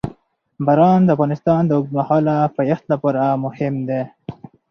باران د افغانستان د اوږدمهاله پایښت لپاره مهم دی.